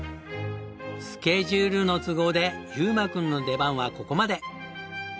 スケジュールの都合で優馬君の出番はここまで。